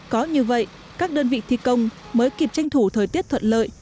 có như vậy các đơn vị thi công mới kịp tranh thủ thời tiết thuận lợi